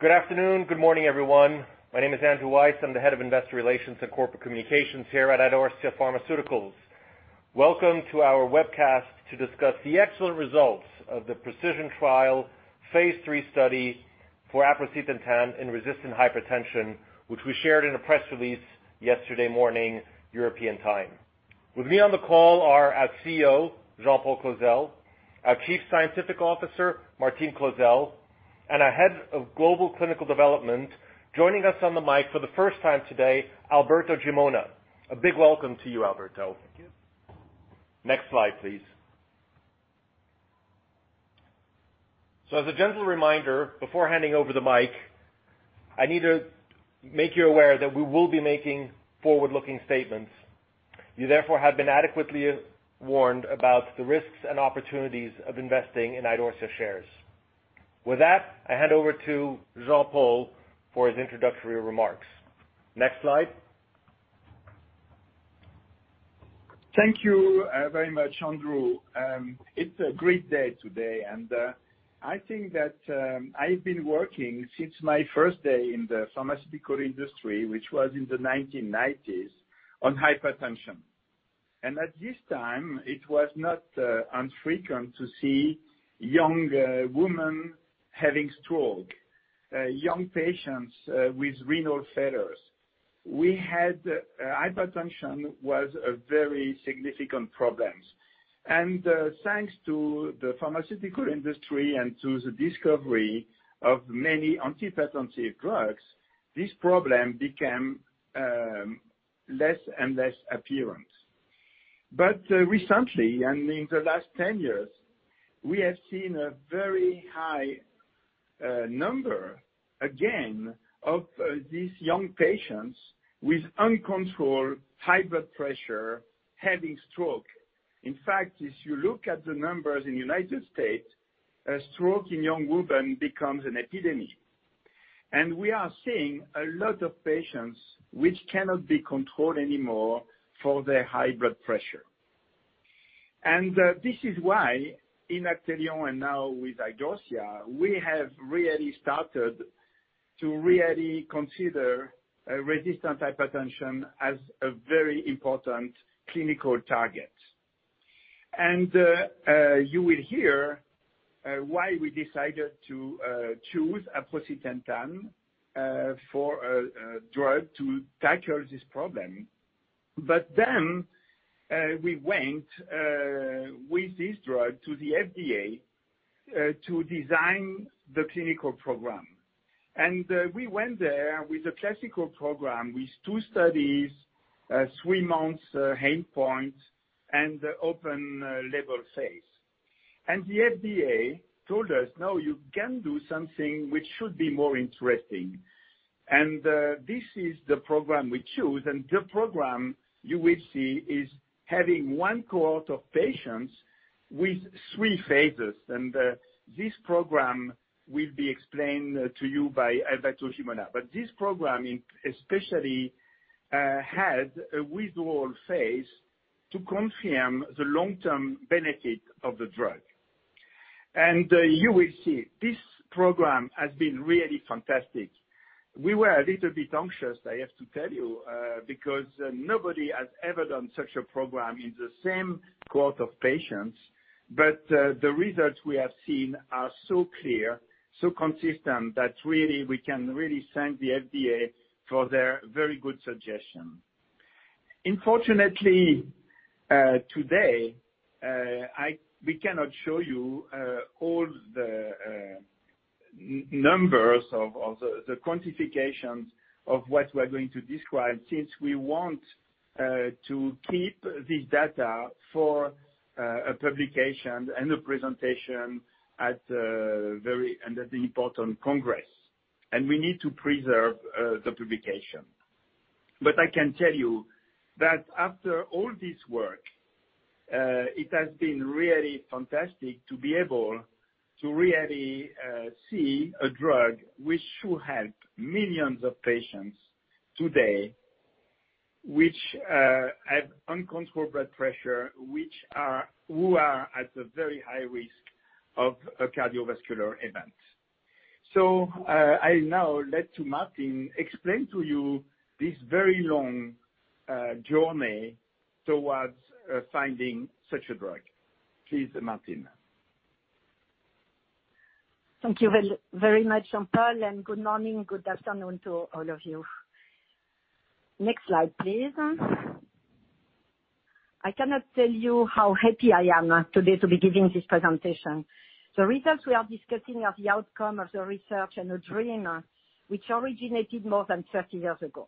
Good afternoon. Good morning, everyone. My name is Andrew Weiss. I'm the head of Investor Relations and Corporate Communications here at Idorsia Pharmaceuticals. Welcome to our webcast to discuss the excellent results of the PRECISION trial Phase 3 study for aprocitentan in resistant hypertension, which we shared in a press release yesterday morning, European time. With me on the call are our CEO, Jean-Paul Clozel, our Chief Scientific Officer, Martine Clozel, and our Head of Global Clinical Development, joining us on the mic for the first time today, Alberto Gimona. A big welcome to you, Alberto. Thank you. Next slide, please. As a gentle reminder, before handing over the mic, I need to make you aware that we will be making forward-looking statements. You therefore have been adequately warned about the risks and opportunities of investing in Idorsia shares. With that, I hand over to Jean-Paul for his introductory remarks. Next slide. Thank you, very much, Andrew. It's a great day today, and I think that I've been working since my first day in the pharmaceutical industry, which was in the 1990s, on hypertension. At this time, it was not infrequent to see young women having stroke, young patients with renal failures. Hypertension was a very significant problems. Thanks to the pharmaceutical industry and to the discovery of many antihypertensive drugs, this problem became less and less apparent. Recently, and in the last 10 years, we have seen a very high number again of these young patients with uncontrolled high blood pressure having stroke. In fact, if you look at the numbers in United States, stroke in young women becomes an epidemic. We are seeing a lot of patients which cannot be controlled anymore for their high blood pressure. This is why in Actelion and now with Idorsia, we have really started to really consider resistant hypertension as a very important clinical target. You will hear why we decided to choose aprocitentan for a drug to tackle this problem. We went with this drug to the FDA to design the clinical program. We went there with a classical program with two studies, three months endpoint and open label phase. The FDA told us, "No, you can do something which should be more interesting." This is the program we choose, and the program you will see is having one cohort of patients with three phases. This program will be explained to you by Alberto Gimona. This program especially had a withdrawal phase to confirm the long-term benefit of the drug. You will see this program has been really fantastic. We were a little bit anxious, I have to tell you, because nobody has ever done such a program in the same cohort of patients. The results we have seen are so clear, so consistent, that really we can thank the FDA for their very good suggestion. Unfortunately, today we cannot show you all the numbers of the quantifications of what we're going to describe since we want to keep this data for a publication and a presentation at the important congress. We need to preserve the publication. I can tell you that after all this work, it has been really fantastic to be able to really see a drug which should help millions of patients today, which have uncontrolled blood pressure, who are at a very high risk of a cardiovascular event. I now let Martine explain to you this very long journey towards finding such a drug. Please, Martine. Thank you very much, Jean-Paul, and good morning, good afternoon to all of you. Next slide, please. I cannot tell you how happy I am today to be giving this presentation. The results we are discussing are the outcome of the research and a dream, which originated more than 30 years ago.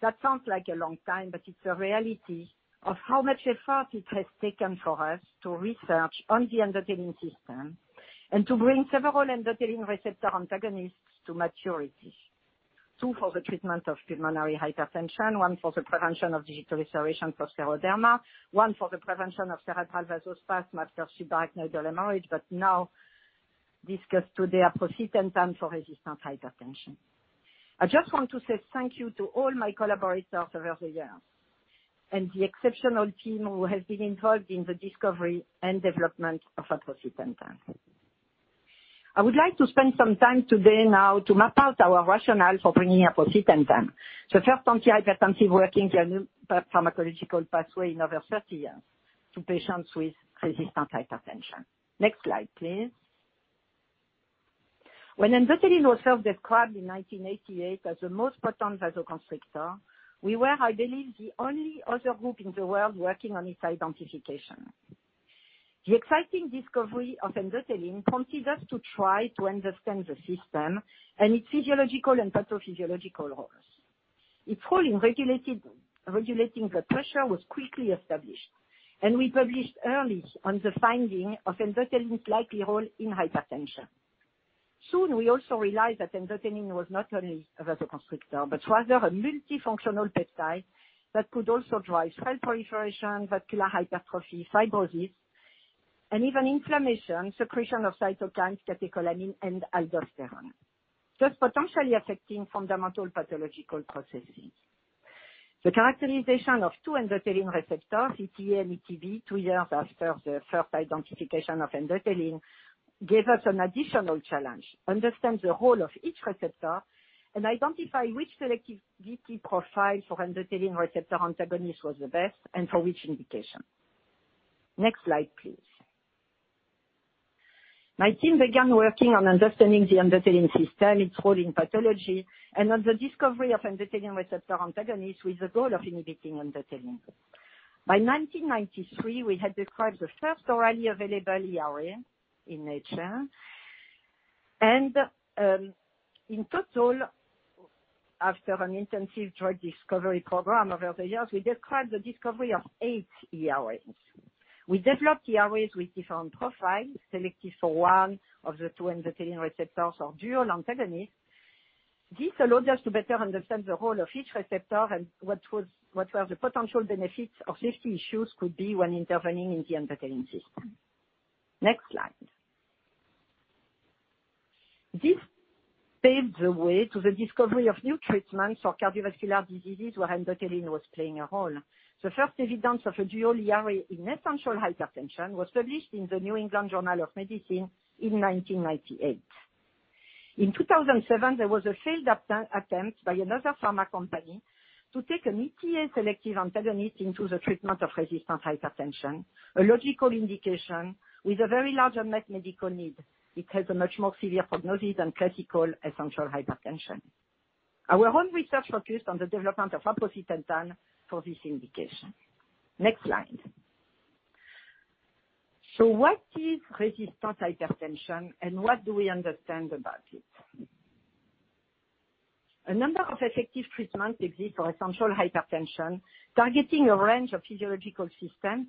That sounds like a long time, but it's a reality of how much effort it has taken for us to research on the endothelin system and to bring several endothelin receptor antagonists to maturity. Two for the treatment of pulmonary hypertension, one for the prevention of digital ischemia for scleroderma, one for the prevention of cerebral vasospasm after subarachnoid hemorrhage, but now discuss today aprocitentan for resistant hypertension. I just want to say thank you to all my collaborators over the years. The exceptional team who has been involved in the discovery and development of aprocitentan. I would like to spend some time today now to map out our rationale for bringing aprocitentan, the first antihypertensive working in a new pharmacological pathway in over 30 years to patients with resistant hypertension. Next slide, please. When endothelin was first described in 1988 as the most potent vasoconstrictor, we were, I believe, the only other group in the world working on its identification. The exciting discovery of endothelin prompted us to try to understand the system and its physiological and pathophysiological roles. Its role in regulating blood pressure was quickly established, and we published early on the finding of endothelin's likely role in hypertension. Soon, we also realized that endothelin was not only a vasoconstrictor, but rather a multifunctional peptide that could also drive cell proliferation, vascular hypertrophy, fibrosis, and even inflammation, secretion of cytokines, catecholamine, and aldosterone, thus potentially affecting fundamental pathological processes. The characterization of two endothelin receptors, ETA and ETB, two years after the first identification of endothelin, gave us an additional challenge. Understand the role of each receptor and identify which selectivity profile for endothelin receptor antagonist was the best and for which indication. Next slide, please. My team began working on understanding the endothelin system, its role in pathology, and on the discovery of endothelin receptor antagonists with the goal of inhibiting endothelin. By 1993, we had described the first orally available ERA in Nature. In total, after an intensive drug discovery program over the years, we described the discovery of eight ERAs. We developed ERAs with different profiles, selective for one of the two endothelin receptors or dual antagonists. This allowed us to better understand the role of each receptor and what were the potential benefits or safety issues could be when intervening in the endothelin system. Next slide. This paved the way to the discovery of new treatments for cardiovascular diseases where endothelin was playing a role. The first evidence of a dual ERA in essential hypertension was published in The New England Journal of Medicine in 1998. In 2007, there was a failed attempt by another pharma company to take an ETA-selective antagonist into the treatment of resistant hypertension, a logical indication with a very large unmet medical need. It has a much more severe prognosis than classical essential hypertension. Our own research focused on the development of aprocitentan for this indication. Next slide. What is resistant hypertension and what do we understand about it? A number of effective treatments exist for essential hypertension, targeting a range of physiological systems,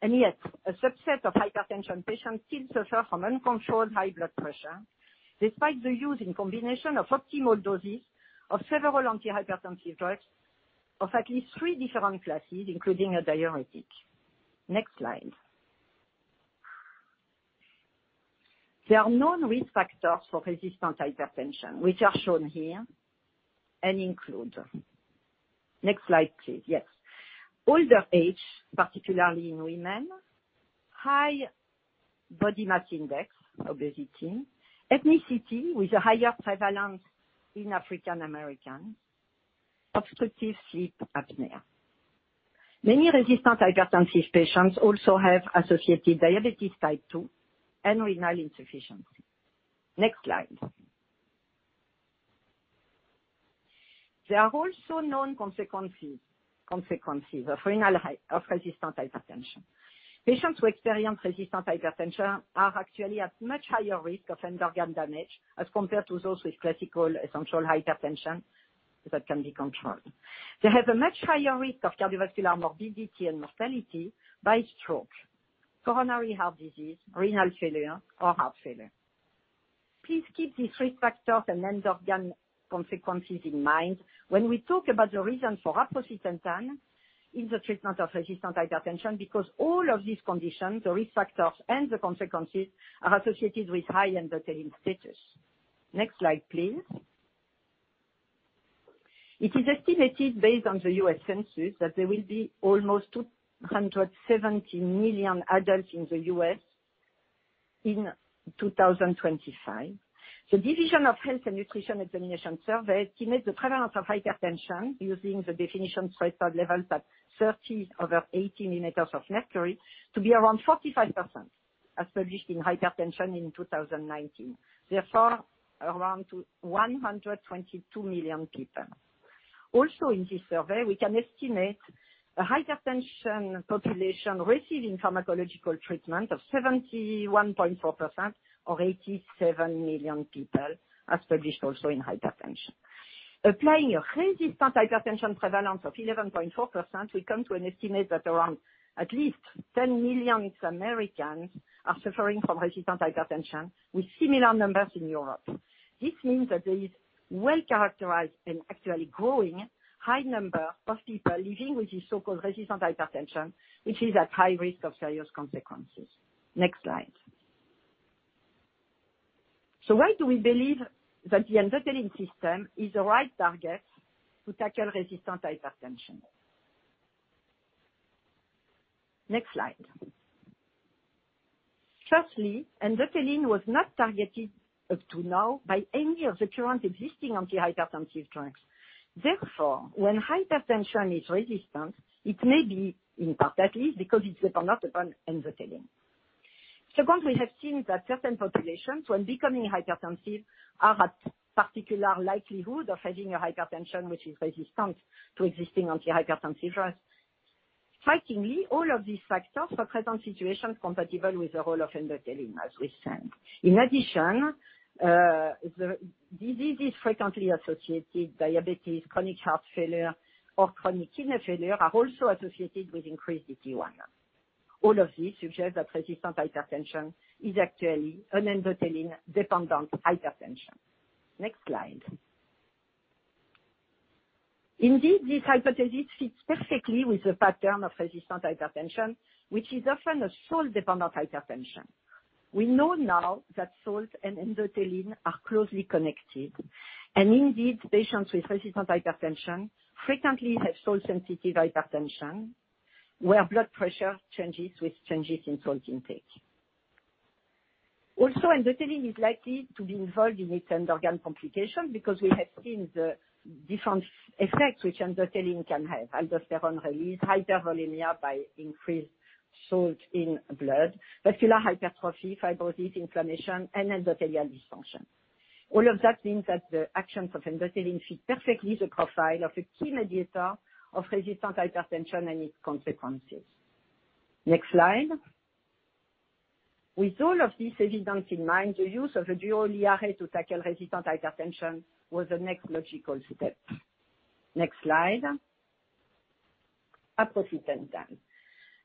and yet a subset of hypertension patients still suffer from uncontrolled high blood pressure despite the use in combination of optimal doses of several antihypertensive drugs of at least three different classes, including a diuretic. Next slide. There are known risk factors for resistant hypertension, which are shown here and include older age, particularly in women, high body mass index, obesity, ethnicity, with a higher prevalence in African Americans, obstructive sleep apnea. Next slide, please. Yes. Many resistant hypertensive patients also have associated diabetes type 2 and renal insufficiency. Next slide. There are also known consequences of resistant hypertension. Patients who experience resistant hypertension are actually at much higher risk of end organ damage as compared to those with classical essential hypertension that can be controlled. They have a much higher risk of cardiovascular morbidity and mortality by stroke, coronary heart disease, renal failure or heart failure. Please keep these risk factors and end organ consequences in mind when we talk about the reason for aprocitentan in the treatment of resistant hypertension, because all of these conditions, the risk factors and the consequences, are associated with high endothelin status. Next slide, please. It is estimated based on the U.S. Census that there will be almost 270 million adults in the US in 2025. The National Health and Nutrition Examination Survey estimated the prevalence of hypertension using the definition systolic levels at 130/80 mm Hg to be around 45%, as published in Hypertension in 2019. Therefore, around 122 million people. In this survey, we can estimate a hypertension population receiving pharmacological treatment of 71.4% or 87 million people, as published also in Hypertension. Applying a resistant hypertension prevalence of 11.4%, we come to an estimate that around at least 10 million Americans are suffering from resistant hypertension, with similar numbers in Europe. This means that there is well-characterized and actually growing high number of people living with this so-called resistant hypertension, which is at high risk of serious consequences. Next slide. Why do we believe that the endothelin system is the right target to tackle resistant hypertension? Next slide. Firstly, endothelin was not targeted up to now by any of the current existing antihypertensive drugs. Therefore, when hypertension is resistant, it may be, in part at least, because it's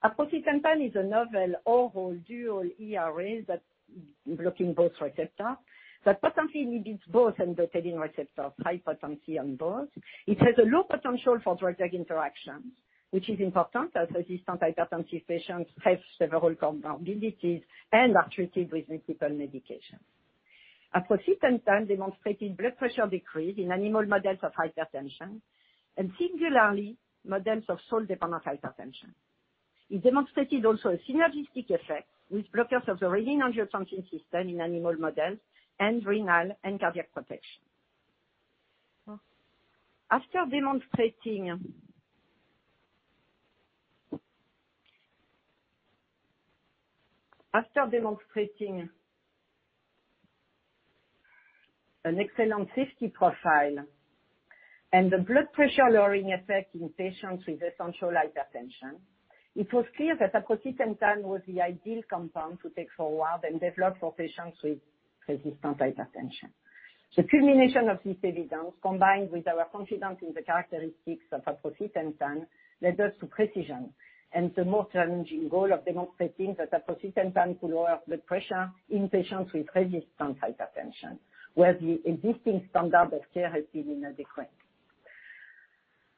got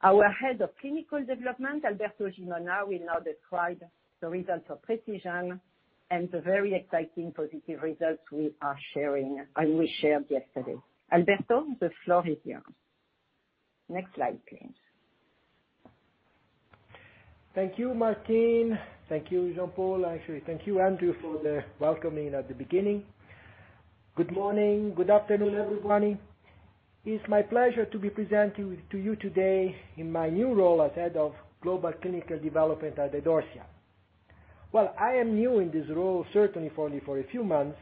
Thank you, Martine. Thank you, Jean-Paul. Actually, thank you, Andrew, for the welcoming at the beginning. Good morning. Good afternoon, everybody. It's my pleasure to be presenting to you today in my new role as Head of Global Clinical Development at Idorsia. Well, I am new in this role, certainly only for a few months,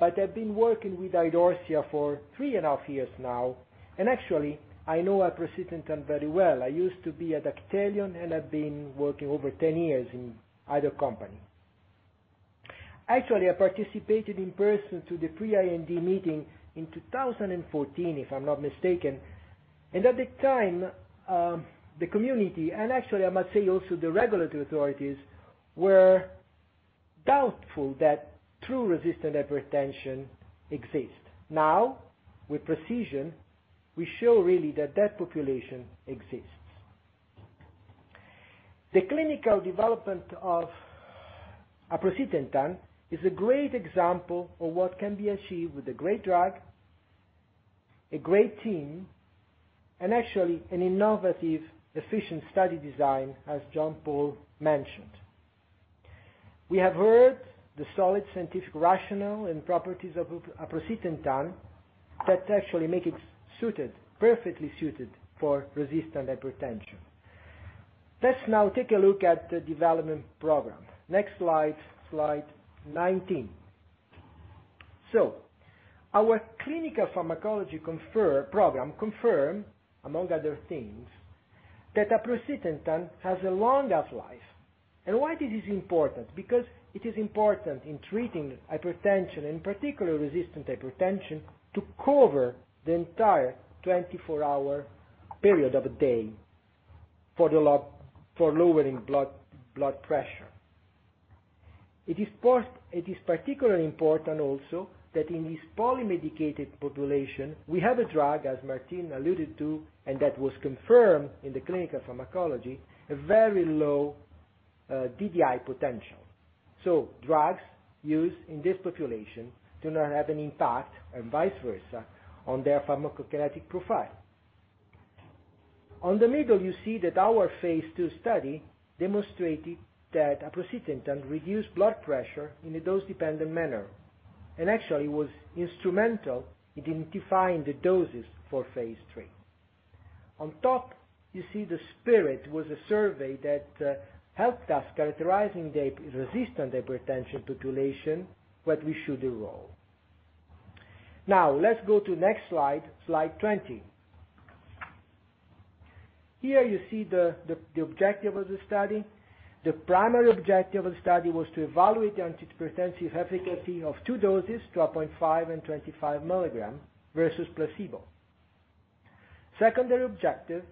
but I've been working with Idorsia for three and a half years now, and actually I know aprocitentan very well. I used to be at Actelion and I've been working over 10 years in either company. Actually, I participated in person to the pre-IND meeting in 2014, if I'm not mistaken. At the time, the community and actually I must say also the regulatory authorities, were doubtful that true resistant hypertension exists. Now, with Precision, we show really that that population exists. The clinical development of aprocitentan is a great example of what can be achieved with a great drug, a great team, and actually an innovative, efficient study design, as Jean-Paul mentioned. We have heard the solid scientific rationale and properties of aprocitentan that actually make it suited, perfectly suited for resistant hypertension. Let's now take a look at the development program. Next slide 19. Our clinical pharmacology program confirmed, among other things, that aprocitentan has a longer half-life. Why this is important? Because it is important in treating hypertension, in particular resistant hypertension, to cover the entire 24-hour period of a day for lowering blood pressure. It is particularly important also that in this polymedicated population, we have a drug, as Martine alluded to, and that was confirmed in the clinical pharmacology, a very low DDI potential. Drugs used in this population do not have an impact, and vice versa, on their pharmacokinetic profile. On the middle, you see that our phase 2 study demonstrated that aprocitentan reduced blood pressure in a dose-dependent manner, and actually was instrumental in defining the doses for phase 3. On top, you see the SPIRIT was a survey that helped us characterizing the resistant hypertension population what we should enroll. Now, let's go to next slide 20. Here you see the objective of the study. The primary objective of the study was to evaluate the antihypertensive efficacy of two doses, 12.5 and 25 mg versus placebo. Secondary objective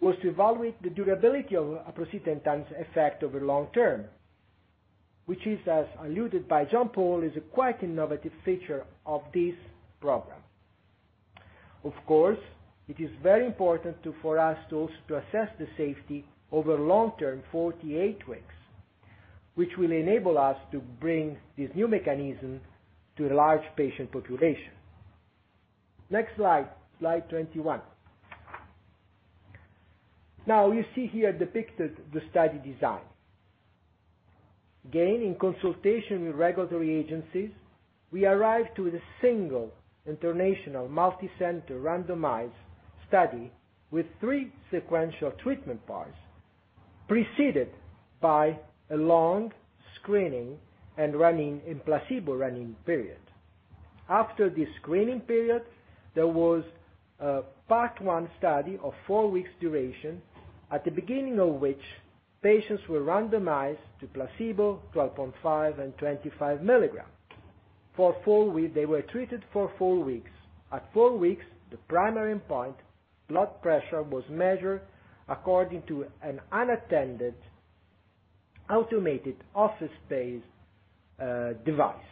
was to evaluate the durability of aprocitentan's effect over long term, which is, as alluded by Jean-Paul, a quite innovative feature of this program. Of course, it is very important for us to also assess the safety over long-term 48 weeks, which will enable us to bring this new mechanism to a large patient population. Next slide 21. Now you see here depicted the study design. Again, in consultation with regulatory agencies, we arrived at the single international multi-center randomized study with three sequential treatment parts, preceded by a long screening and run-in placebo run-in period. After the screening period, there was a part one study of 4 weeks duration, at the beginning of which patients were randomized to placebo 12.5 and 25 mg. For 4 weeks, they were treated for 4 weeks. At 4 weeks, the primary endpoint, blood pressure, was measured according to an unattended automated office-based device.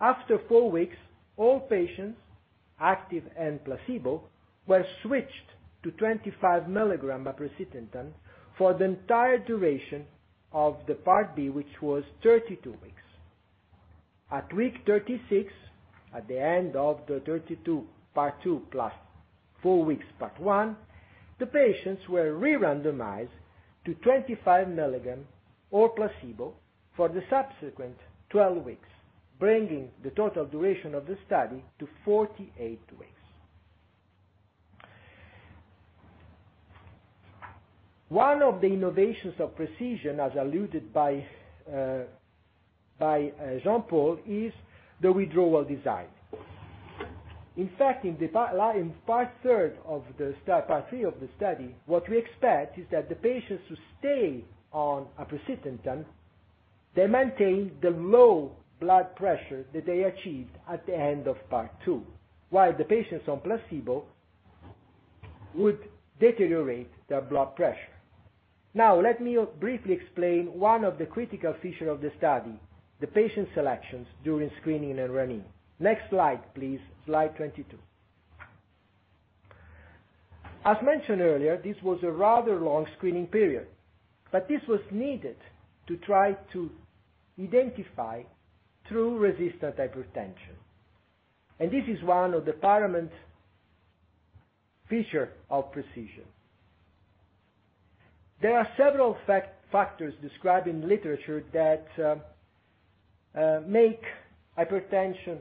After four weeks, all patients, active and placebo, were switched to 25 milligram aprocitentan for the entire duration of the part B, which was 32 weeks. At week 36, at the end of the 32 part two plus four weeks part one, the patients were re-randomized to 25 milligram or placebo for the subsequent 12 weeks, bringing the total duration of the study to 48 weeks. One of the innovations of Precision, as alluded by Jean-Paul, is the withdrawal design. In fact, in part three of the study, what we expect is that the patients who stay on aprocitentan, they maintain the low blood pressure that they achieved at the end of part two, while the patients on placebo would deteriorate their blood pressure. Now, let me briefly explain one of the critical feature of the study, the patient selections during screening and run-in. Next slide, please. Slide 22. As mentioned earlier, this was a rather long screening period, but this was needed to try to identify true resistant hypertension and this is one of the paramount feature of PRECISION. There are several factors described in literature that make hypertension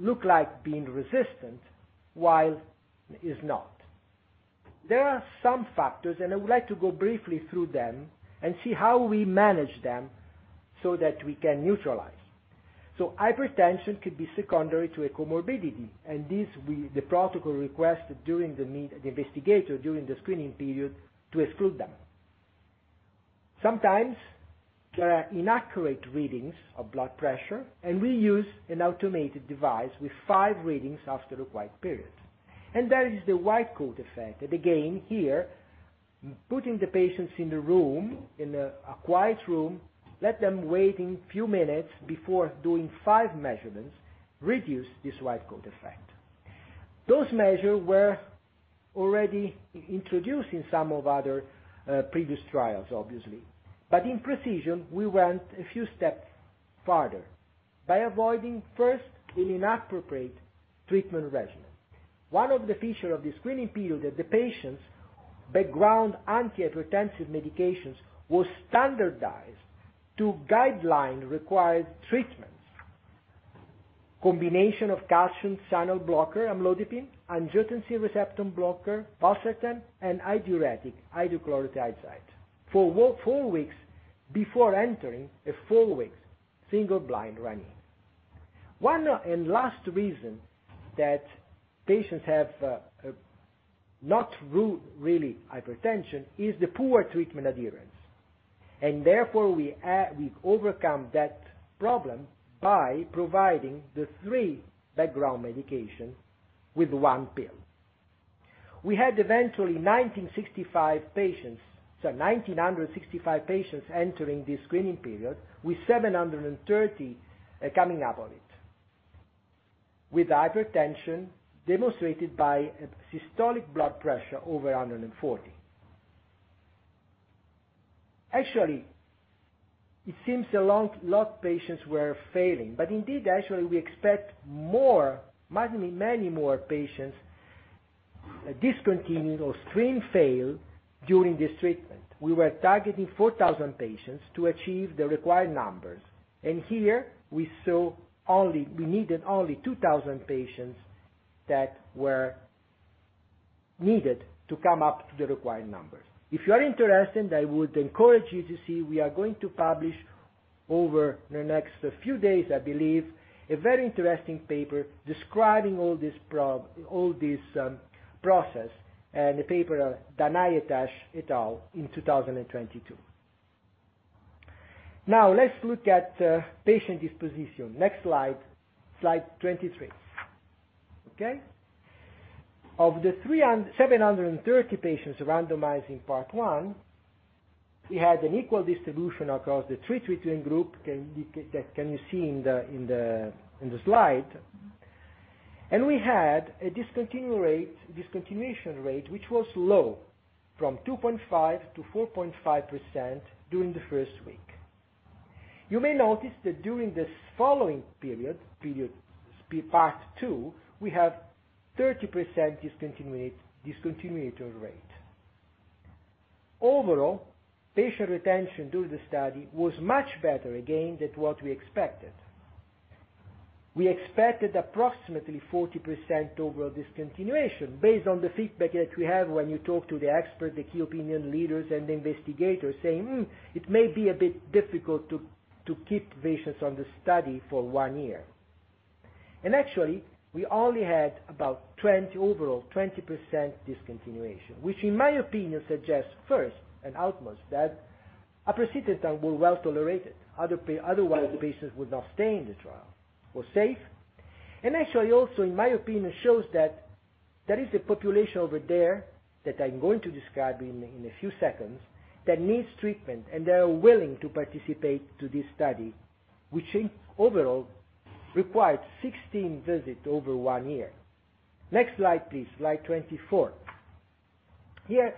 look like being resistant, while it is not. There are some factors, and I would like to go briefly through them and see how we manage them so that we can neutralize. Hypertension could be secondary to a comorbidity and this, the protocol requested that the investigator exclude them during the screening period. Sometimes there are inaccurate readings of blood pressure, and we use an automated device with five readings after a quiet period. There is the white coat effect, and again, here, putting the patients in the room, in a quiet room, let them wait a few minutes before doing 5 measurements, reduces this white coat effect. Those measures were already introduced in some other previous trials, obviously. In PRECISION, we went a few steps farther by avoiding first an inappropriate treatment regimen. One of the features of the screening period is that the patients' background antihypertensive medications were standardized to guideline-recommended treatments: combination of calcium channel blocker, amlodipine, angiotensin receptor blocker, valsartan, and diuretic, hydrochlorothiazide, for 4 weeks before entering a 4-week single-blind run-in. One last reason that patients have not really hypertension is the poor treatment adherence. Therefore, we overcome that problem by providing the three background medications with one pill. We had eventually 1,965 patients, so 1,965 patients entering the screening period, with 730 coming up on it with hypertension demonstrated by a systolic blood pressure over 140. Actually, it seems a lot of patients were failing, but indeed we expect more, many, many more patients discontinue or screen fail during this treatment. We were targeting 4,000 patients to achieve the required numbers, and here we saw only. We needed only 2,000 patients that were needed to come up to the required numbers. If you are interested, I would encourage you to see we are going to publish over the next few days, I believe, a very interesting paper describing all this, all this process and the paper, Danai Bhatt et al. in 2022. Now, let's look at patient disposition. Next slide. Slide 23. Okay. Of the 730 patients randomized in part one, we had an equal distribution across the three treatment groups, can be, that, can you see in the slide and we had a discontinuation rate, which was low from 2.5%-4.5% during the first week. You may notice that during this following period, part two, we have 30% discontinuation rate. Overall, patient retention during the study was much better again than what we expected. We expected approximately 40% overall discontinuation based on the feedback that we have when you talk to the expert, the key opinion leaders and the investigators saying, "it may be a bit difficult to keep patients on the study for one year." Actually, we only had about twenty overall 20% discontinuation, which in my opinion suggests first and utmost that aprocitentan was well-tolerated. Otherwise patients would not stay in the trial, was safe. Actually also in my opinion, shows that there is a population over there that I'm going to describe in a few seconds that needs treatment, and they are willing to participate to this study, which in overall required 16 visits over one year. Next slide, please. Slide 24. Here,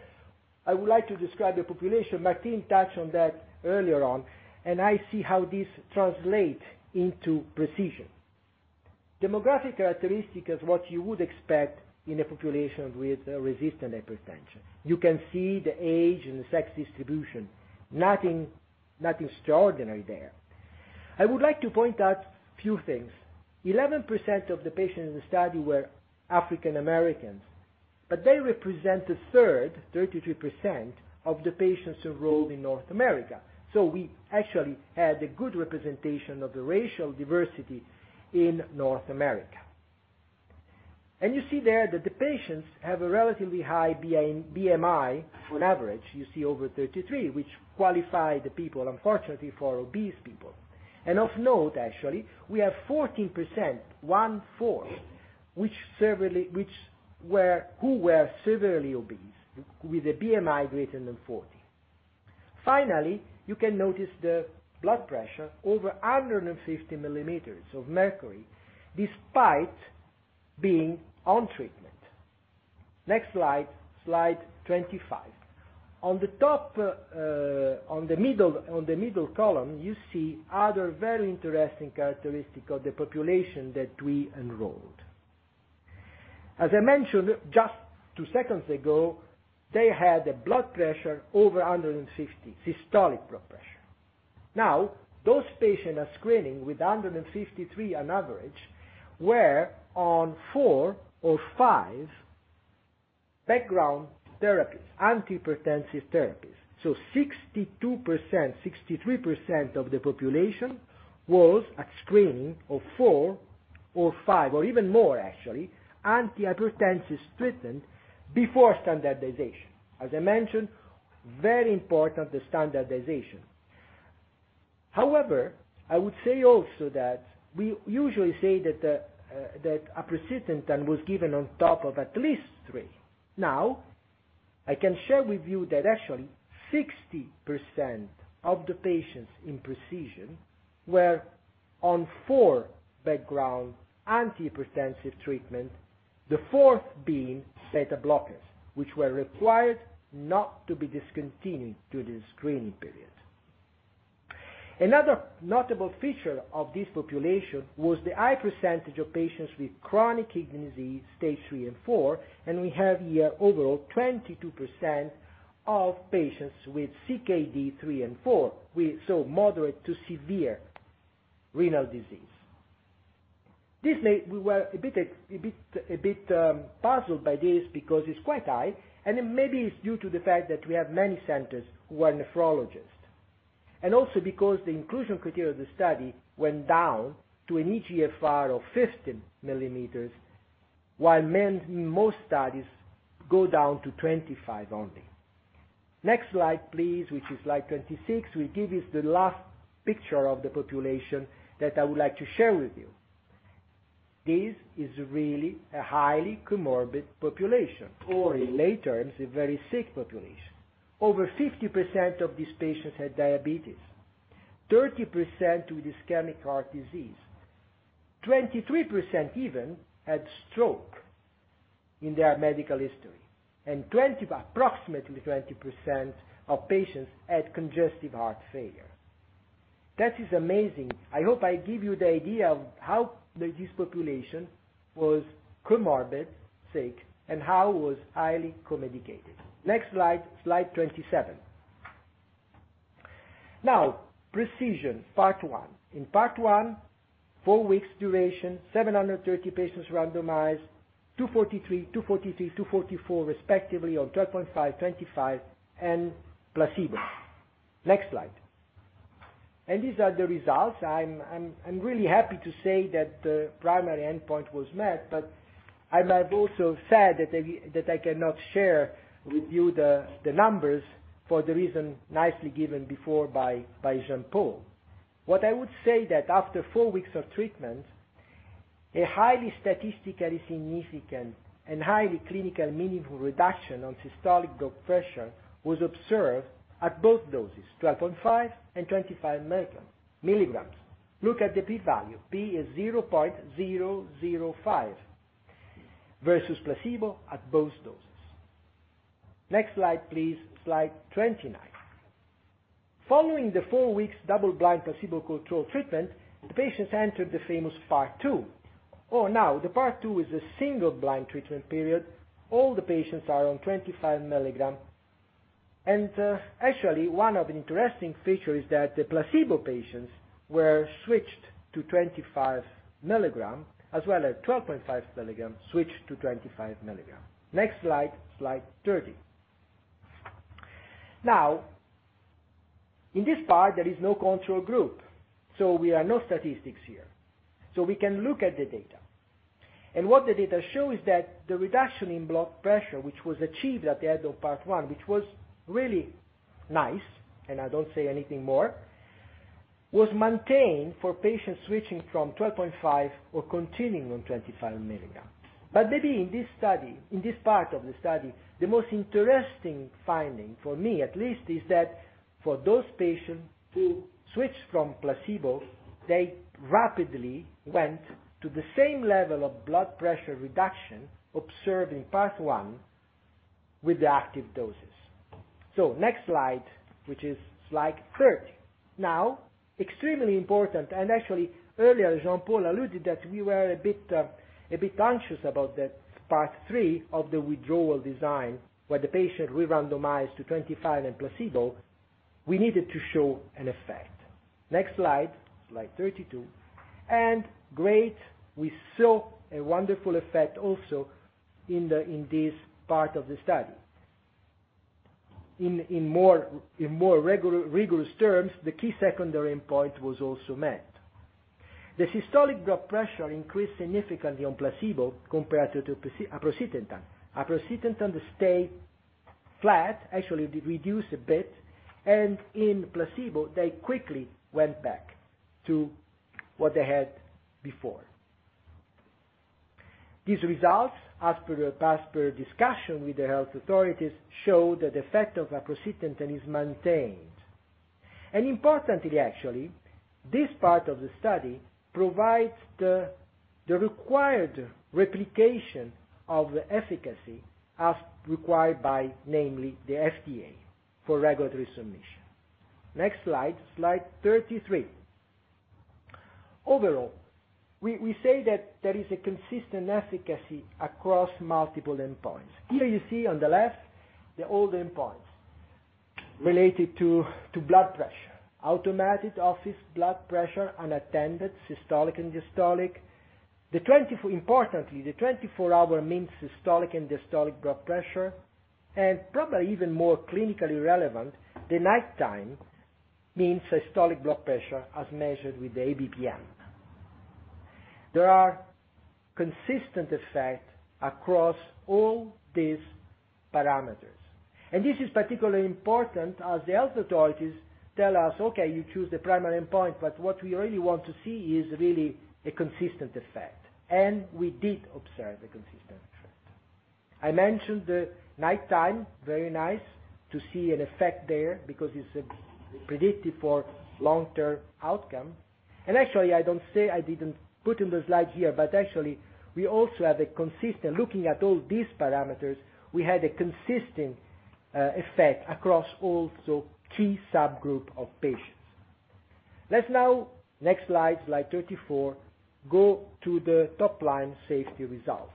I would like to describe the population. Martine touched on that earlier on, and I see how this translates into PRECISION. Demographic characteristics are what you would expect in a population with resistant hypertension. You can see the age and the sex distribution. Nothing extraordinary there. I would like to point out a few things. 11% of the patients in the study were African Americans, but they represent a third, 33% of the patients enrolled in North America. We actually had a good representation of the racial diversity in North America. You see there that the patients have a relatively high BMI on average, you see over 33, which qualifies the people, unfortunately, as obese people. Of note actually, we have 14%, one-fourth, who were severely obese with a BMI greater than 40. Finally, you can notice the blood pressure over 150 millimeters of mercury despite being on treatment. Next slide. Slide 25. On the top, on the middle column, you see other very interesting characteristic of the population that we enrolled. As I mentioned just two seconds ago, they had a blood pressure over 150, systolic blood pressure. Now, those patients are screening with 153 on average were on 4 or 5 background therapies, antihypertensive therapies. So 62%, 63% of the population was at screening of 4 or 5 or even more actually, antihypertensives treatment before standardization. As I mentioned, very important, the standardization. However, I would say also that we usually say that aprocitentan was given on top of at least three. I can share with you that actually 60% of the patients in PRECISION were on four background antihypertensive treatments, the fourth being beta-blockers, which were required not to be discontinued during the screening period. Another notable feature of this population was the high percentage of patients with chronic kidney disease stage 3 and 4, and we have here overall 22% of patients with CKD 3 and 4. We saw moderate to severe renal disease. We were a bit puzzled by this because it's quite high and then maybe it's due to the fact that we have many centers who are nephrologists and also because the inclusion criteria of the study went down to an eGFR of 15 mL/min, while, in most studies, go down to 25 only. Next slide, please, which is slide 26, will give us the last picture of the population that I would like to share with you. This is really a highly comorbid population, or in lay terms, a very sick population. Over 50% of these patients had diabetes. 30% with ischemic heart disease. 23% even had stroke in their medical history, and 20, approximately 20% of patients had congestive heart failure. That is amazing. I hope I give you the idea of how this population was comorbid sick and how was highly co-medicated. Next slide 27. Now, PRECISION Part 1. In Part 1, 4-week duration, 730 patients randomized. 243, 244 respectively on 12.5, 25, and placebo. Next slide. These are the results. I'm really happy to say that the primary endpoint was met, but I'm also sad that I cannot share with you the numbers for the reason nicely given before by Jean-Paul. What I would say is that after four weeks of treatment, a highly statistically significant and highly clinically meaningful reduction in systolic blood pressure was observed at both doses, 12.5 and 25 milligrams. Look at the P value. P is 0.005 versus placebo at both doses. Next slide, please. Slide 29. Following the four weeks double-blind placebo-controlled treatment, the patients entered the phase two. Now the phase two is a single-blind treatment period. All the patients are on 25 milligrams. Actually, one of the interesting feature is that the placebo patients were switched to 25 mg, as well as 12.5 mg switched to 25 mg. Next slide 30. Now, in this part, there is no control group, so we have no statistics here. We can look at the data, and what the data show is that the reduction in blood pressure, which was achieved at the end of part 1, which was really nice, and I don't say anything more, was maintained for patients switching from 12.5 or continuing on 25 mg. Maybe in this study, in this part of the study, the most interesting finding, for me at least, is that for those patients who switched from placebo, they rapidly went to the same level of blood pressure reduction observed in part 1 with the active doses. Next slide, which is slide 30. Now, extremely important, actually earlier, Jean-Paul alluded that we were a bit anxious about the part three of the withdrawal design, where the patient re-randomized to 25 and placebo. We needed to show an effect. Next slide 32. Great, we saw a wonderful effect also in this part of the study. In more rigorous terms, the key secondary endpoint was also met. The systolic blood pressure increased significantly on placebo compared to aprocentan. Aprocentan stay flat. Actually, it reduced a bit, and in placebo, they quickly went back to what they had before. These results, as per discussion with the health authorities, show that the effect of aprocentan is maintained. Importantly, actually, this part of the study provides the required replication of the efficacy as required by namely the FDA for regulatory submission. Next slide 33. Overall, we say that there is a consistent efficacy across multiple endpoints. Here you see on the left the old endpoints related to blood pressure, automatic office blood pressure, unattended systolic and diastolic. Importantly, the 24-hour mean systolic and diastolic blood pressure and probably even more clinically relevant, the nighttime mean systolic blood pressure as measured with the ABPM. There are consistent effect across all these parameters. This is particularly important as the health authorities tell us, "Okay, you choose the primary endpoint, but what we really want to see is really a consistent effect." We did observe a consistent effect. I mentioned the nighttime, very nice to see an effect there because it's predictive for long-term outcome. Actually, I said I didn't put in the slide here, but actually we also have a consistent effect looking at all these parameters across all the key subgroups of patients. Let's now go to the next slide 34, the top-line safety results.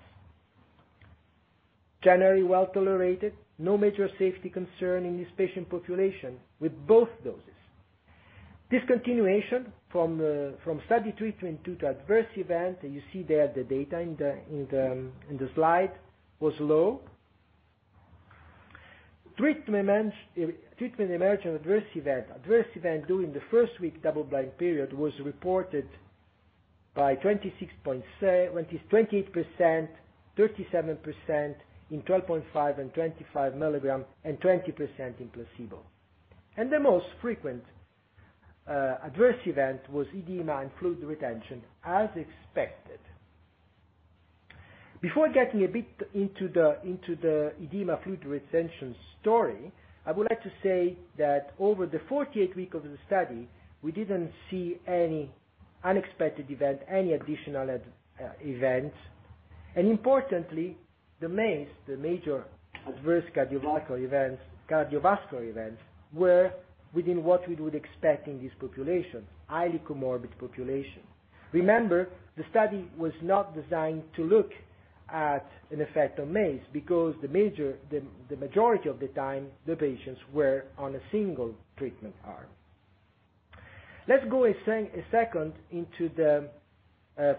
Generally well-tolerated. No major safety concern in this patient population with both doses. Discontinuation from study treatment due to adverse event, and you see there the data in the slide, was low. Treatment-emerging adverse event. Adverse event during the first week double-blind period was reported by 28%, 37% in 12.5 and 25 milligram, and 20% in placebo. The most frequent adverse event was edema and fluid retention, as expected. Before getting a bit into the edema fluid retention story, I would like to say that over the 48-week of the study, we didn't see any unexpected event, any additional events. Importantly, the MACE, the major adverse cardiovascular events, cardiovascular events, were within what we would expect in this population, highly comorbid population. Remember, the study was not designed to look at an effect on MACE because the majority of the time, the patients were on a single treatment arm. Let's go a second into the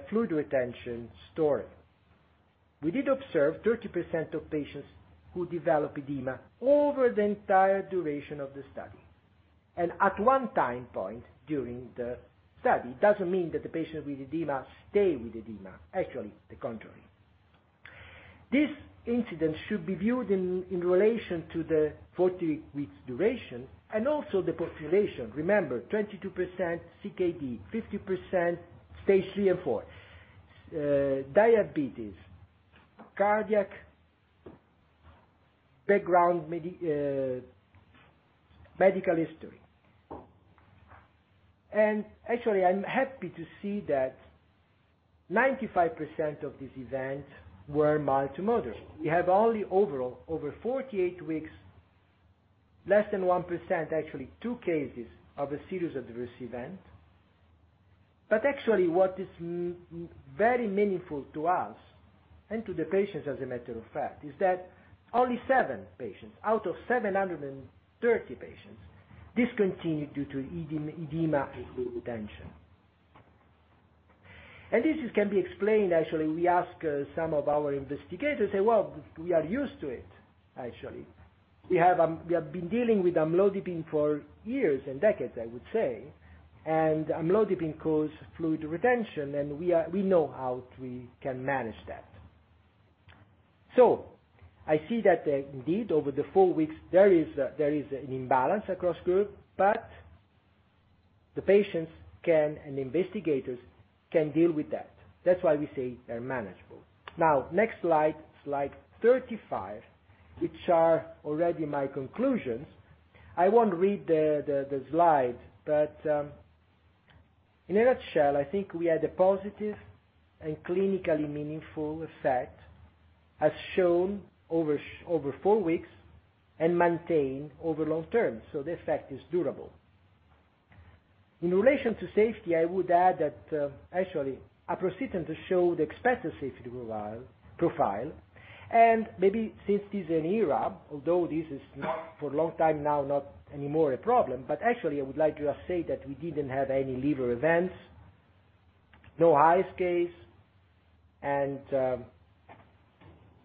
fluid retention story. We did observe 30% of patients who develop edema over the entire duration of the study and at one time point during the study. Doesn't mean that the patient with edema stay with edema. Actually, the contrary. This incident should be viewed in relation to the 40 weeks duration and also the population. Remember, 22% CKD, 50% stage three and four. Diabetes, cardiac background medical history. Actually, I'm happy to see that 95% of these events were mild to moderate. We have only overall, over 48 weeks, less than 1%, actually 2 cases of a serious adverse event. Actually, what is very meaningful to us and to the patients as a matter of fact, is that only 7 patients out of 730 patients discontinued due to edema and fluid retention. This can be explained actually, we ask, some of our investigators say, "Well, we are used to it, actually. We have been dealing with amlodipine for years and decades, I would say, and amlodipine causes fluid retention, and we know how we can manage that. I see that. Indeed, over the four weeks, there is an imbalance across groups, but the patients can, and investigators can deal with that. That's why we say they're manageable. Now, next slide 35, which are already my conclusions. I won't read the slide, but in a nutshell, I think we had a positive and clinically meaningful effect as shown over four weeks and maintained over long term, so the effect is durable. In relation to safety, I would add that, actually, aprocitentan shows the expected safety profile and maybe since this is an ERA, although this is not for a long time now, not anymore a problem. Actually, I would like to just say that we didn't have any liver events, no Hy's law case and,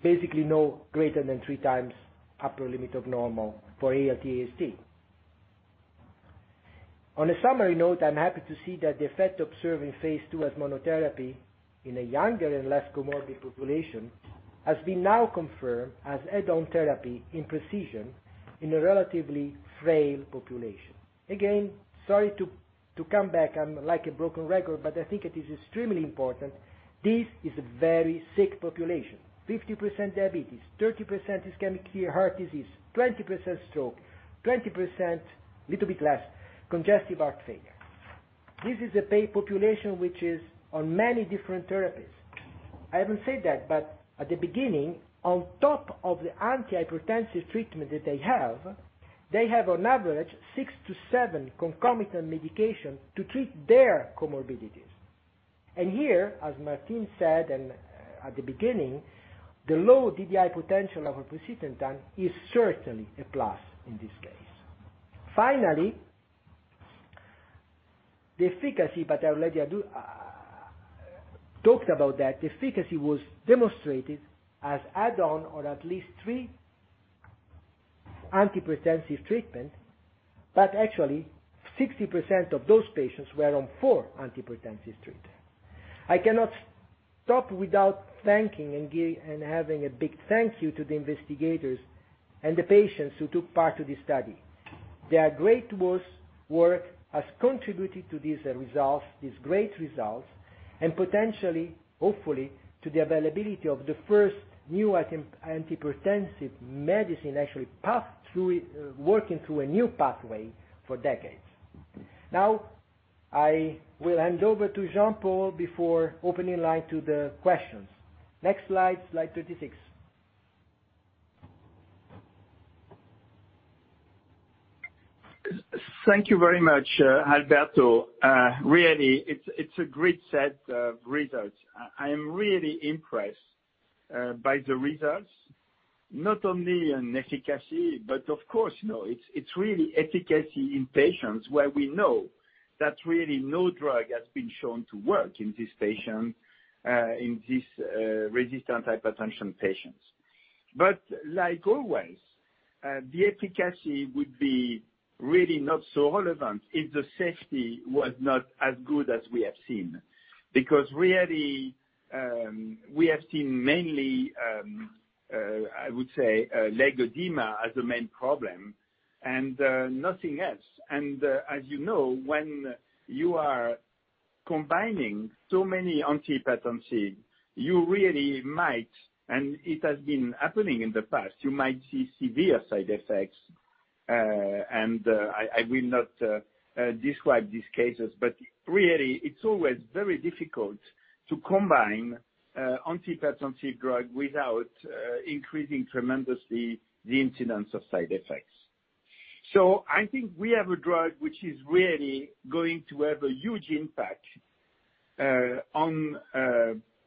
basically, no greater than 3 times upper limit of normal for ALT, AST. On a summary note, I'm happy to see that the effect observed in phase 2 as monotherapy in a younger and less comorbid population has been now confirmed as add-on therapy in PRECISION in a relatively frail population. Again, sorry to come back. I'm like a broken record, but I think it is extremely important. This is a very sick population. 50% diabetes, 30% ischemic heart disease, 20% stroke, 20%, little bit less, congestive heart failure. This is a population which is on many different therapies. I haven't said that, but at the beginning, on top of the antihypertensive treatment that they have, they have on average 6 to 7 concomitant medication to treat their comorbidities. Here, as Martine said, at the beginning, the low DDI potential of aprocitentan is certainly a plus in this case. Finally, the efficacy, but I already talked about that. The efficacy was demonstrated as add-on to at least 3 antihypertensive treatment. Actually, 60% of those patients were on 4 antihypertensive treatment. I cannot stop without thanking and giving a big thank you to the investigators and the patients who took part in this study. Their work has contributed to these results, these great results and potentially, hopefully, to the availability of the first new anti-hypertensive medicine actually working through a new pathway in decades. Now, I will hand over to Jean-Paul before opening the line to the questions. Next slide 36. Thank you very much, Alberto. Really, it's a great set of results. I am really impressed by the results, not only in efficacy, but of course, you know, it's really efficacy in patients where we know that really no drug has been shown to work in this resistant hypertension patients. Like always, the efficacy would be really not so relevant if the safety was not as good as we have seen. Because really, we have seen mainly, I would say, leg edema as the main problem and nothing else. As you know, when you are combining so many antihypertensives, you really might and it has been happening in the past, you might see severe side effects. I will not describe these cases, but really, it's always very difficult to combine antihypertensive drug without increasing tremendously the incidence of side effects. I think we have a drug which is really going to have a huge impact on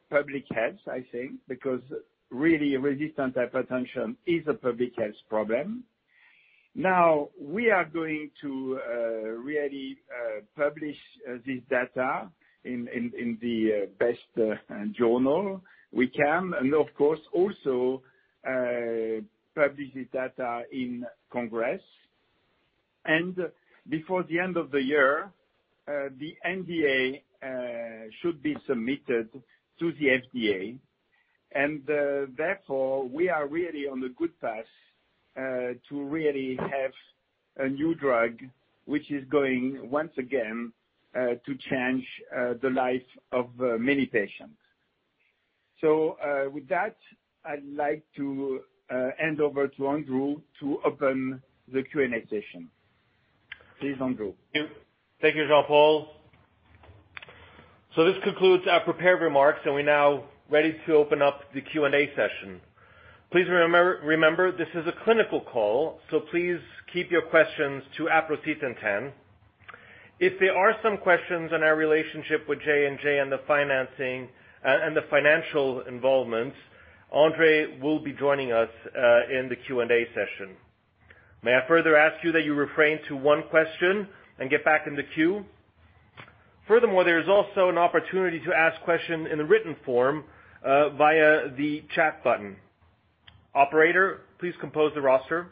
public health, I think, because really resistant hypertension is a public health problem. Now, we are going to really publish this data in the best journal we can, and of course, also publish this data in Congress. Before the end of the year, the NDA should be submitted to the FDA. Therefore, we are really on a good path to really have a new drug, which is going once again to change the life of many patients. With that, I'd like to hand over to Andrew to open the Q&A session. Please, Andrew. Thank you, Jean-Paul. This concludes our prepared remarks, and we're now ready to open up the Q&A session. Please remember, this is a clinical call, so please keep your questions to aprocitentan. If there are some questions on our relationship with J&J and the financing and the financial involvement, André will be joining us in the Q&A session. Please limit to one question and get back in the queue. Furthermore, there is also an opportunity to ask questions in a written form via the chat button. Operator, please compose the roster.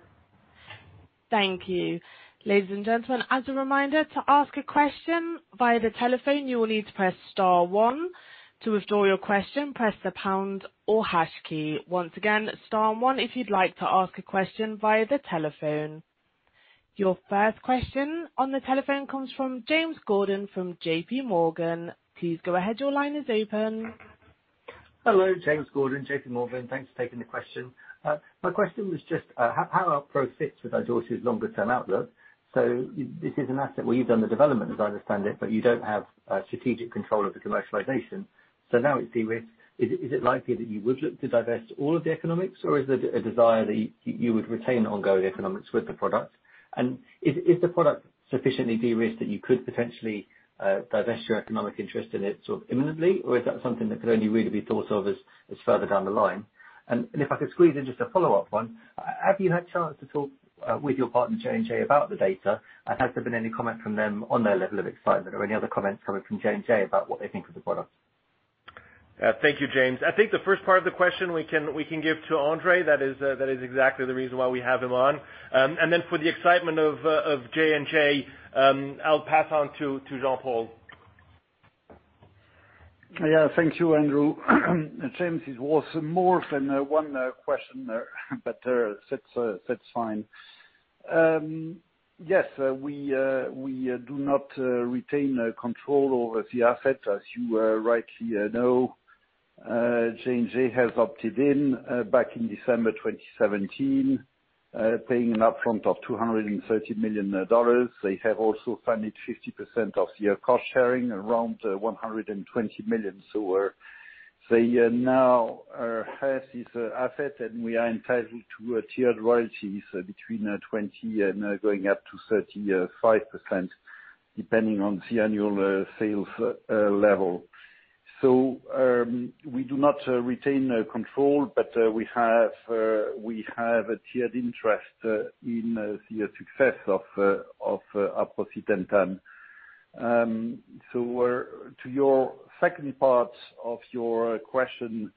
Thank you. Ladies and gentlemen, as a reminder, to ask a question via the telephone, you will need to press star one. To withdraw your question, press the pound or hash key. Once again, star one if you'd like to ask a question via the telephone. Your first question on the telephone comes from James Gordon from J.P. Morgan. Please go ahead. Your line is open. Hello, James Gordon, J.P. Morgan. Thanks for taking the question. My question was just, how aprocitentan fits with Idorsia's longer-term outlook. This is an asset where you've done the development, as I understand it, but you don't have strategic control of the commercialization. Now it's de-risked. Is it likely that you would look to divest all of the economics, or is there a desire that you would retain ongoing economics with the product? Is the product sufficiently de-risked that you could potentially divest your economic interest in it sort of imminently, or is that something that could only really be thought of as further down the line? If I could squeeze in just a follow-up one, have you had a chance to talk with your partner J&J about the data? Has there been any comment from them on their level of excitement or any other comments coming from J&J about what they think of the product? Thank you, James. I think the first part of the question we can give to André. That is exactly the reason why we have him on. For the excitement of J&J, I'll pass on to Jean-Paul. Yeah. Thank you, Andrew. James, it was more than one question there, but that's fine. Yes, we do not retain control over the asset, as you rightly know. J&J has opted in back in December 2017, paying an upfront of $230 million. They have also funded 50% of the cost-sharing, around $120 million. They now have this asset, and we are entitled to tiered royalties between 20% and going up to 35%, depending on the annual sales level. We do not retain control, but we have a tiered interest in the success of aprocitentan. To your second part of your question,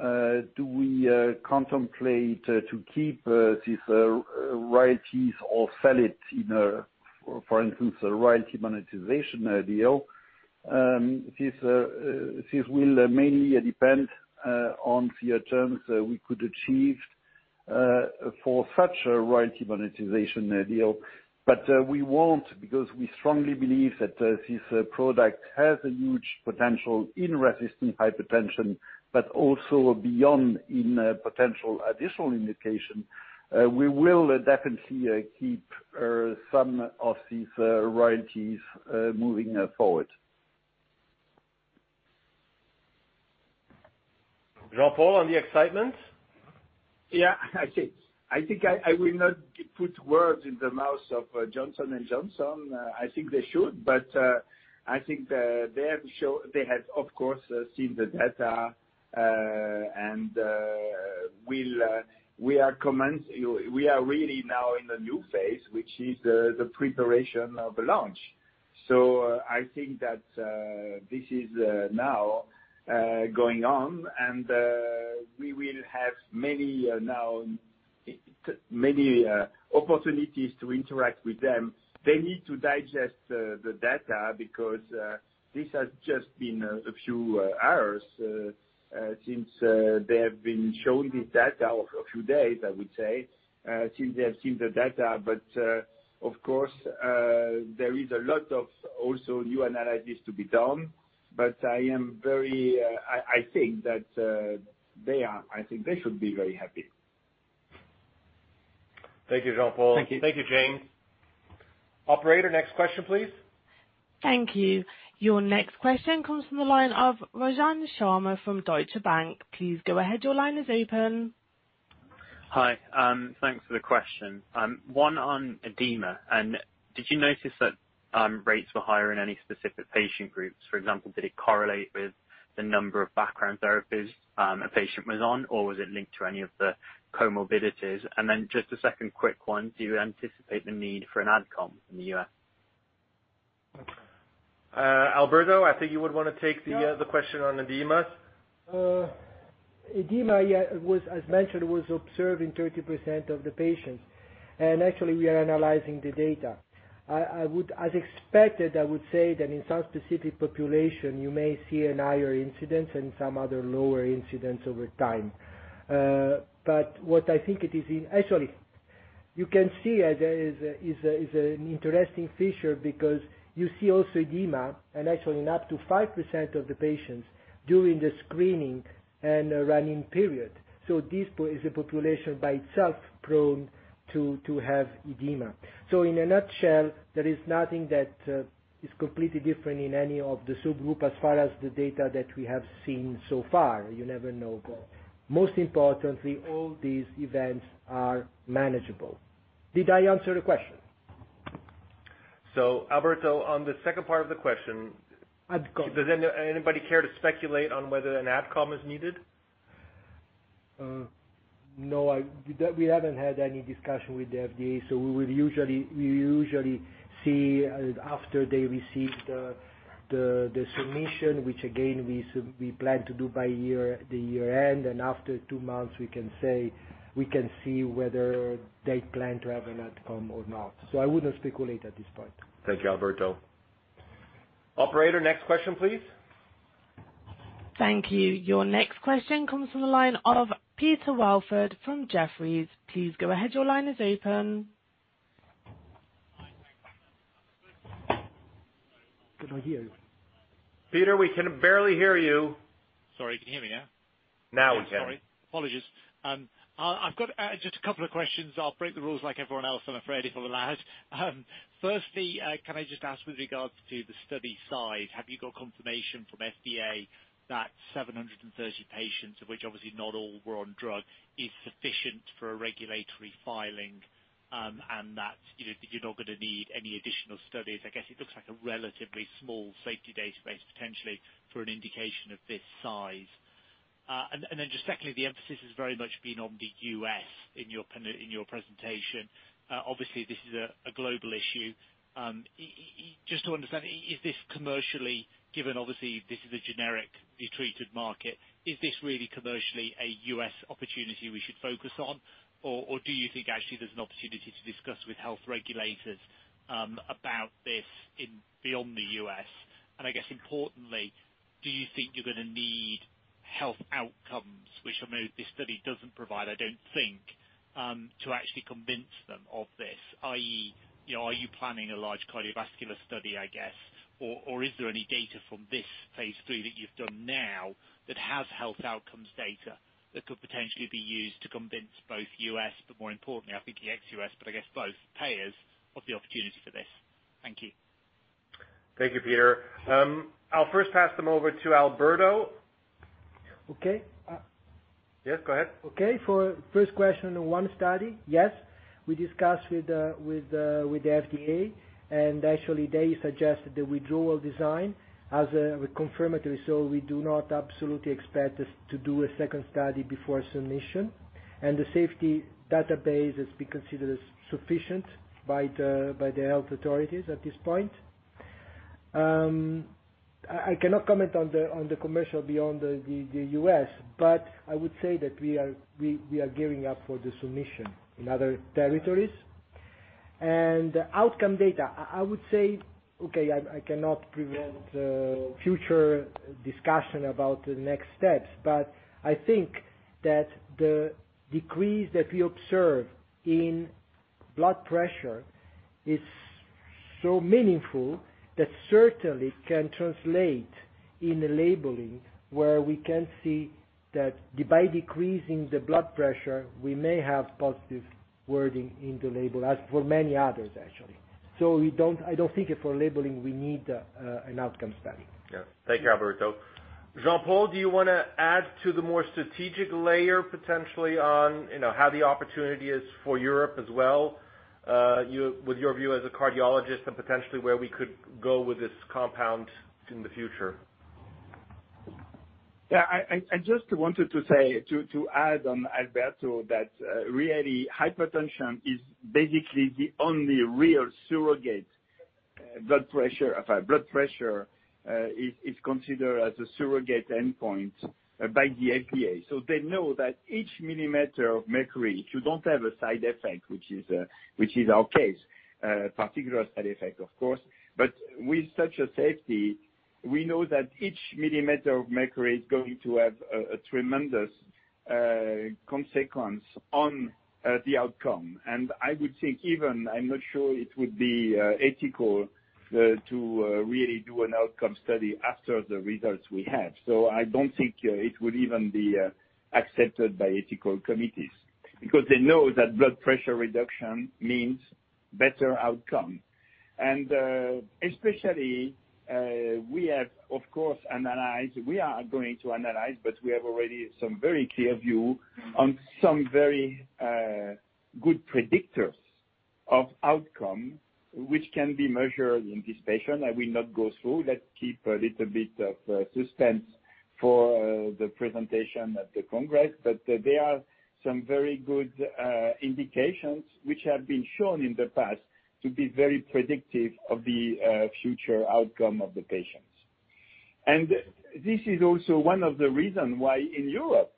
do we contemplate to keep these royalties or sell it in, for instance, a royalty monetization deal? This will mainly depend on the terms we could achieve for such a royalty monetization deal. We won't because we strongly believe that this product has a huge potential in resistant hypertension, but also beyond in potential additional indication. We will definitely keep some of these royalties moving forward. Jean-Paul, on the excitement? I think I will not put words in the mouth of Johnson & Johnson. I think they should, but I think they have, of course, seen the data, and we are really now in the new phase, which is the preparation of the launch. I think that this is now going on, and we will have many now. Many opportunities to interact with them. They need to digest the data because this has just been a few hours since they have been shown this data. A few days, I would say, since they have seen the data. Of course there is a lot of also new analysis to be done. I am very. I think they should be very happy. Thank you, Jean-Paul. Thank you. Thank you, James. Operator, next question, please. Thank you. Your next question comes from the line of Rajan Sharma from Deutsche Bank. Please go ahead. Your line is open. Hi. Thanks for the question. One on edema. Did you notice that rates were higher in any specific patient groups? For example, did it correlate with the number of background therapies a patient was on, or was it linked to any of the comorbidities? Then just a second quick one: Do you anticipate the need for an outcome in the US? Alberto, I think you would wanna take the question on edema. Edema, yeah, as mentioned, was observed in 30% of the patients. Actually, we are analyzing the data. As expected, I would say that in some specific population, you may see a higher incidence and some other lower incidence over time. Actually, you can see there is an interesting feature because you see also edema, and actually in up to 5% of the patients during the screening and the running period. This is a population by itself prone to have edema. In a nutshell, there is nothing that is completely different in any of the subgroup as far as the data that we have seen so far. You never know. Most importantly, all these events are manageable. Did I answer the question? Alberto, on the second part of the question. Outcome. Does anybody care to speculate on whether an outcome is needed? No, we haven't had any discussion with the FDA, so we would usually see after they receive the submission, which again, we plan to do by year-end. After two months, we can see whether they plan to have an outcome or not. I wouldn't speculate at this point. Thank you, Alberto. Operator, next question, please. Thank you. Your next question comes from the line of Peter Welford from Jefferies. Please go ahead. Your line is open. Can I hear you? Peter, we can barely hear you. Sorry. You can hear me now? Now we can. Sorry. Apologies. I've got just a couple of questions. I'll break the rules like everyone else, I'm afraid, if allowed. Firstly, can I just ask with regards to the study size, have you got confirmation from FDA that 730 patients, of which obviously not all were on drug, is sufficient for a regulatory filing, and that, you know, you're not gonna need any additional studies? I guess it looks like a relatively small safety database, potentially for an indication of this size. And then just secondly, the emphasis has very much been on the U.S. in your presentation. Obviously this is a global issue. Just to understand, is this commercially, given obviously this is a generic treated market, is this really commercially a U.S. opportunity we should focus on? Do you think actually there's an opportunity to discuss with health regulators about this and beyond the U.S.? I guess importantly, do you think you're gonna need health outcomes, which I know this study doesn't provide, I don't think, to actually convince them of this? i.e., you know, are you planning a large cardiovascular study, I guess? Is there any data from this phase 3 that you've done now that has health outcomes data that could potentially be used to convince both U.S., but more importantly, I think ex-U.S., but I guess both, payers of the opportunity for this? Thank you. Thank you, Peter. I'll first pass them over to Alberto. Okay. Yes, go ahead. Okay. For first question, one study. Yes, we discussed with the FDA, and actually they suggested the withdrawal design as a confirmatory. We do not absolutely expect us to do a second study before submission. The safety database has been considered as sufficient by the health authorities at this point. I cannot comment on the commercial beyond the U.S. I would say that we are gearing up for the submission in other territories. Outcome data, I would say, okay, I cannot prevent future discussion about the next steps. I think that the decrease that we observe in blood pressure is so meaningful that certainly can translate in the labeling, where we can see that by decreasing the blood pressure, we may have positive wording in the label, as for many others actually. I don't think for labeling, we need an outcome study. Yeah. Thank you, Alberto. Jean-Paul, do you wanna add to the more strategic layer potentially on, you know, how the opportunity is for Europe as well, you, with your view as a cardiologist and potentially where we could go with this compound in the future? Yeah. I just wanted to say to add on Alberto that really hypertension is basically the only real surrogate. Blood pressure is considered as a surrogate endpoint by the FDA. They know that each millimeter of mercury, if you don't have a side effect, which is our case, particular side effect, of course. With such a safety, we know that each millimeter of mercury is going to have a tremendous consequence on the outcome. I would think even I'm not sure it would be ethical to really do an outcome study after the results we have. I don't think it would even be accepted by ethical committees. Because they know that blood pressure reduction means better outcome. Especially, we have, of course, analyzed... We are going to analyze, but we have already some very clear view on some very good predictors of outcome, which can be measured in this patient. I will not go through. Let's keep a little bit of suspense for the presentation at the congress. There are some very good indications which have been shown in the past to be very predictive of the future outcome of the patients. This is also one of the reason why in Europe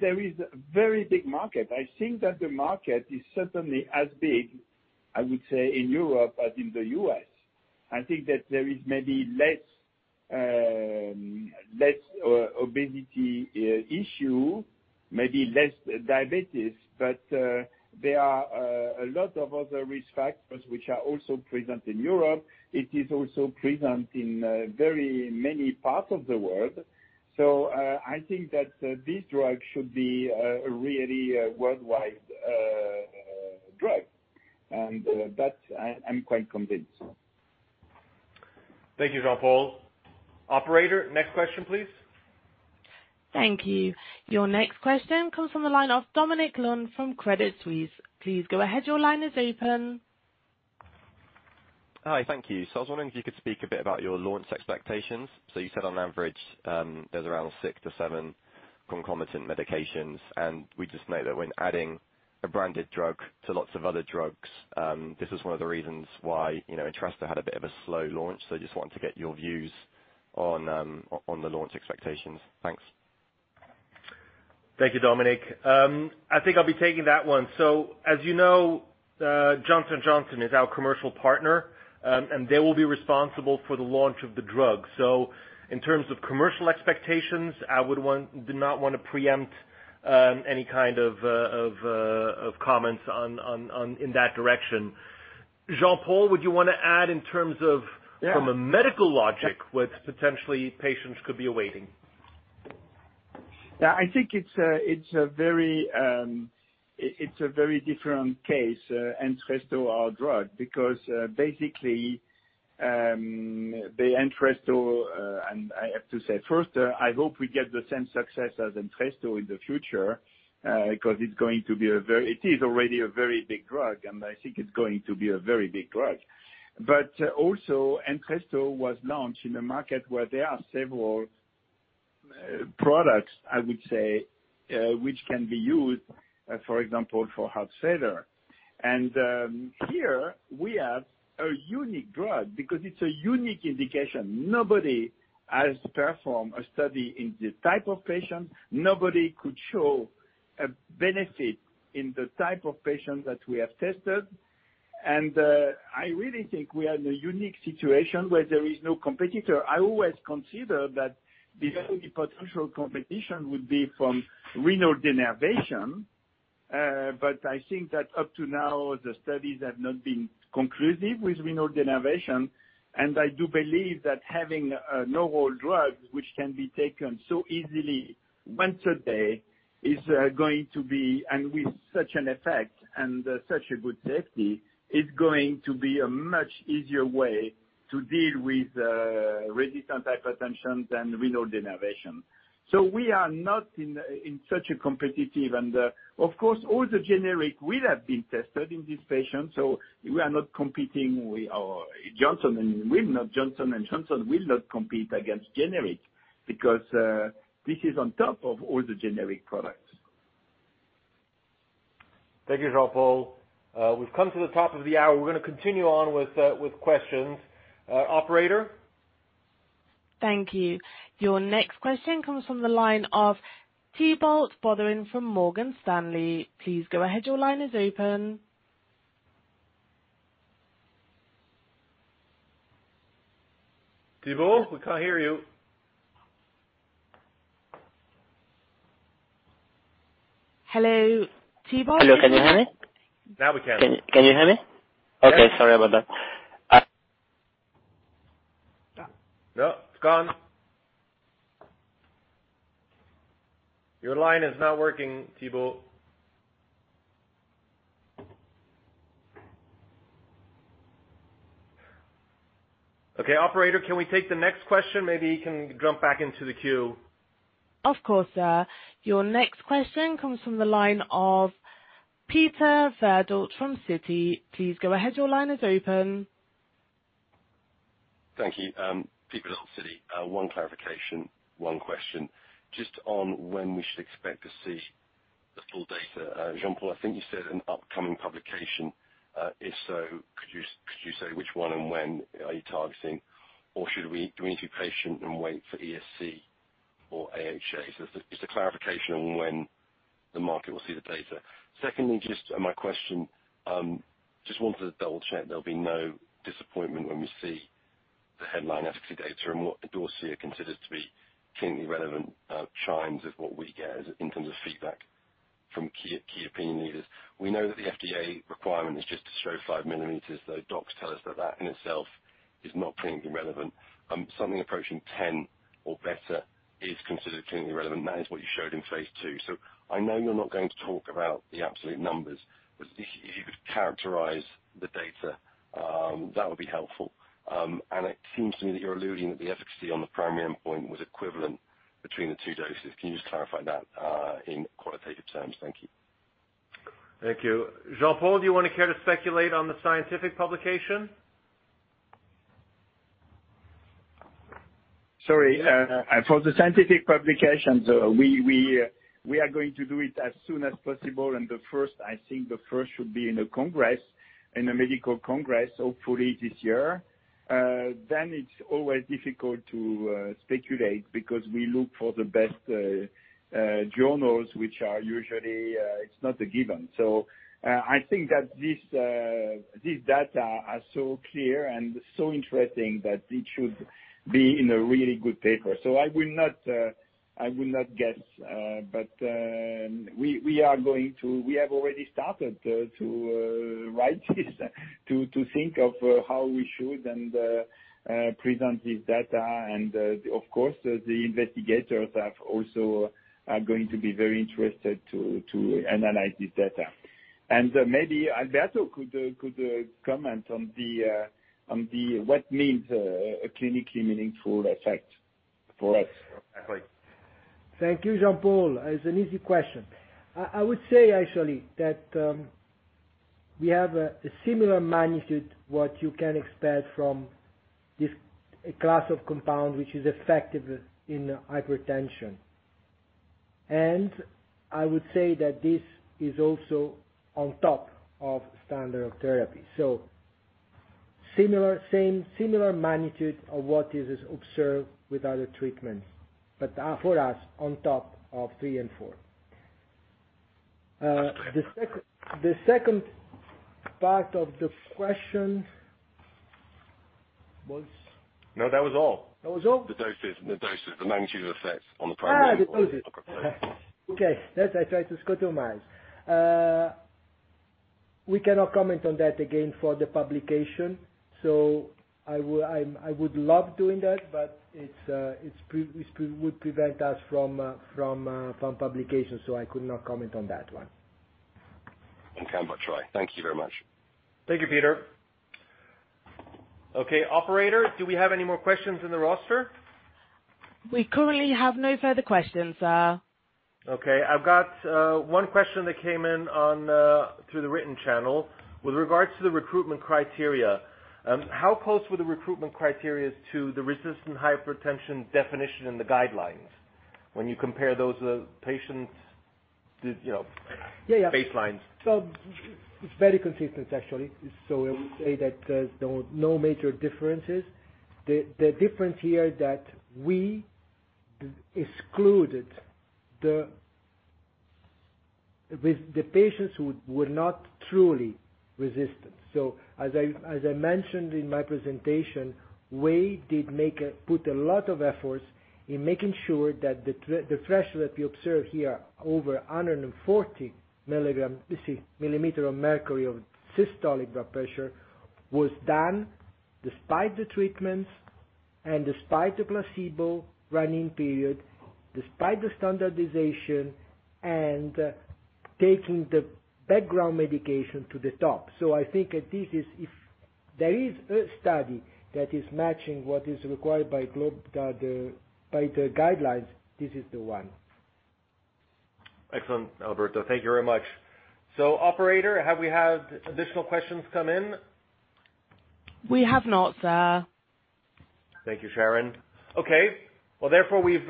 there is a very big market. I think that the market is certainly as big, I would say, in Europe as in the U.S. I think that there is maybe less less obesity issue, maybe less diabetes, but there are a lot of other risk factors which are also present in Europe. It is also present in very many parts of the world. I think that this drug should be a really worldwide drug. That I'm quite convinced. Thank you, Jean-Paul. Operator, next question, please. Thank you. Your next question comes from the line of Dominic Lunn from Credit Suisse. Please go ahead. Your line is open. Hi. Thank you. I was wondering if you could speak a bit about your launch expectations. You said on average, there's around 6-7 concomitant medications, and we just know that when adding a branded drug to lots of other drugs, this is one of the reasons why, you know, Entresto had a bit of a slow launch. I just wanted to get your views on the launch expectations. Thanks. Thank you, Dominic. I think I'll be taking that one. As you know, Johnson & Johnson is our commercial partner. They will be responsible for the launch of the drug. In terms of commercial expectations, I do not wanna preempt any kind of comments in that direction. Jean-Paul, would you wanna add in terms of- Yeah. From a medical logic, what potential patients could be awaiting? Yeah. I think it's a very different case, Entresto, our drug. Because basically the Entresto and I have to say first I hope we get the same success as Entresto in the future 'cause it is already a very big drug and I think it's going to be a very big drug. But also Entresto was launched in a market where there are several products I would say which can be used for example for heart failure. Here we have a unique drug because it's a unique indication. Nobody has performed a study in this type of patient. Nobody could show a benefit in the type of patient that we have tested. I really think we are in a unique situation where there is no competitor. I always consider that the only potential competition would be from renal denervation. I think that up to now, the studies have not been conclusive with renal denervation. I do believe that having an oral drug which can be taken so easily once a day is going to be and with such an effect and such a good safety, is going to be a much easier way to deal with resistant hypertension than renal denervation. We are not in such a competitive. Of course, all the generic will have been tested in this patient, so we are not competing with our Johnson & Johnson. Johnson & Johnson will not compete against generic because this is on top of all the generic products. Thank you, Jean-Paul. We've come to the top of the hour. We're gonna continue on with questions. Operator? Thank you. Your next question comes from the line of Thibault Boutherin from Morgan Stanley. Please go ahead. Your line is open. Thibault, we can't hear you. Hello, Thibault. Hello, can you hear me? Now we can. Can you hear me? Yes. Okay, sorry about that. No, it's gone. Your line is not working, Thibault. Okay, operator, can we take the next question? Maybe he can jump back into the queue. Of course, sir. Your next question comes from the line of Peter Verdult from Citi. Please go ahead. Your line is open. Thank you. Peter at Citi. One clarification, one question. Just on when we should expect to see the full data. Jean-Paul, I think you said an upcoming publication. If so, could you say which one and when are you targeting? Or do we need to be patient and wait for ESC or AHA? Just a clarification on when the market will see the data. Secondly, just my question, just wanted to double-check there'll be no disappointment when we see the headline efficacy data and what the dossier considers to be clinically relevant chimes with what we get in terms of feedback from key opinion leaders. We know that the FDA requirement is just to show 5 millimeters, though docs tell us that in itself is not clinically relevant. Something approaching 10 or better is considered clinically relevant. That is what you showed in phase 2. I know you're not going to talk about the absolute numbers. If you could characterize the data, that would be helpful. It seems to me that you're alluding that the efficacy on the primary endpoint was equivalent between the two doses. Can you just clarify that, in qualitative terms? Thank you. Thank you. Jean-Paul, do you wanna care to speculate on the scientific publication? Sorry. For the scientific publications, we are going to do it as soon as possible. The first, I think, should be in the congress, in the medical congress, hopefully this year. Then it's always difficult to speculate because we look for the best journals which are usually, it's not a given. I think that this data are so clear and so interesting that it should be in a really good paper. I will not guess. We have already started to write this to think of how we should and present this data. Of course, the investigators are also going to be very interested to analyze this data. Maybe Alberto could comment on what it means a clinically meaningful effect for us. Right. Thank you, Jean-Paul. It's an easy question. I would say actually that we have a similar magnitude, what you can expect from this class of compound, which is effective in hypertension. I would say that this is also on top of standard therapy. Similar magnitude of what is observed with other treatments, but for us on top of three and four. The second part of the question was? No, that was all. That was all? The doses. The magnitude effect on the primary. The doses. Okay. Yes, I try to systematize. We cannot comment on that again for the publication. I would love doing that, but it would prevent us from publication, so I could not comment on that one. I can but try. Thank you very much. Thank you, Peter. Okay, operator, do we have any more questions in the roster? We currently have no further questions, sir. Okay. I've got one question that came in on through the written channel. With regards to the recruitment criteria, how close were the recruitment criteria to the resistant hypertension definition in the guidelines when you compare those patients? Yeah, yeah. Baselines. It's very consistent, actually. I would say that there's no major differences. The difference here that we excluded the patients who were not truly resistant. As I mentioned in my presentation, we did put a lot of efforts in making sure that the threshold that we observe here over 140 milligrams, you see, millimeter of mercury of systolic blood pressure, was done despite the treatments and despite the placebo running period, despite the standardization and taking the background medication to the top. I think that this is if there is a study that is matching what is required by the guidelines, this is the one. Excellent, Alberto. Thank you very much. Operator, have we had additional questions come in? We have not, sir. Thank you, Sharon. Okay. Well, therefore, we've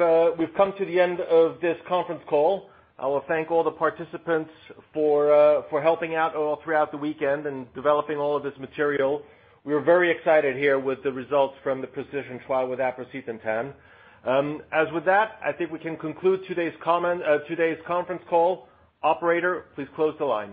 come to the end of this conference call. I will thank all the participants for helping out all throughout the weekend and developing all of this material. We are very excited here with the results from the Precision trial with aprocitentan. As with that, I think we can conclude today's conference call. Operator, please close the line.